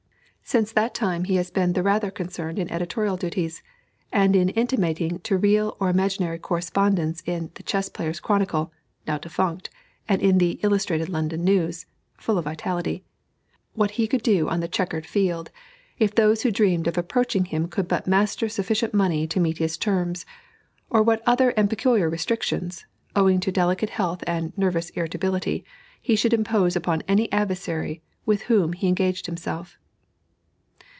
Since that time he has been the rather concerned in editorial duties, and in intimating to real or imaginary correspondents in the Chess Players' Chronicle, (now defunct,) and in the Illustrated London News, (full of vitality,) what he could do on the chequered field, if those who dreamed of approaching him could but muster sufficient money to meet his terms, or what other and peculiar restrictions (owing to delicate health and "nervous irritability") he should impose upon any adversary with whom he engaged himself.